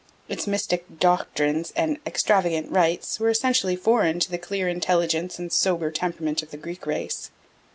Its mystic doctrines and extravagant rites were essentially foreign to the clear intelligence and sober temperament of the Greek race.